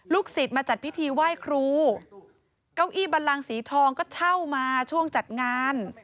สิทธิ์มาจัดพิธีไหว้ครูเก้าอี้บันลังสีทองก็เช่ามาช่วงจัดงาน